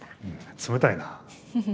冷たいな。